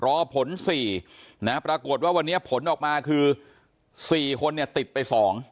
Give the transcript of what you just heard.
รอผล๔นะครับปรากฏว่าวันนี้ผลออกมาคือ๔คนติดไป๒